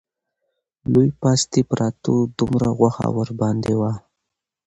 لوی پاستي پراته وو، دومره غوښه ورباندې وه